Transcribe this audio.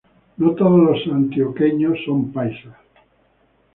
No todos los antioqueños son paisas.